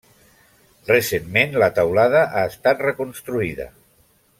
Recentment la teulada ha estat reconstruïda.